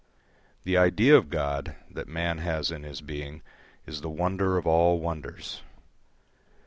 The idea of God that man has in his being is the wonder of all wonders.